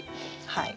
はい。